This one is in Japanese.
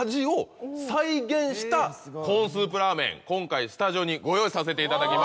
今回スタジオにご用意させていただきました。